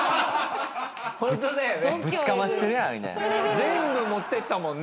全部持っていったもんね